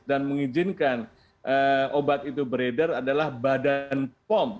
dan mengizinkan obat itu beredar adalah badan pom